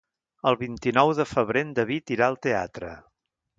El vint-i-nou de febrer en David irà al teatre.